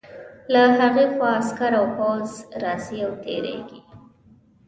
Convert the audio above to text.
له هغې خوا عسکر او پوځ راځي او تېرېږي.